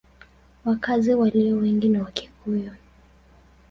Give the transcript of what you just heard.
Wakazi walio wengi ni Wakikuyu.